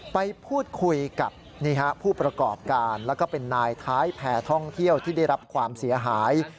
ไปพูดคุยกับผู้ประกอบการแล้วก็เป็นนายท้ายแผ่ท่องเที่ยวที่ได้รับความเสียหาย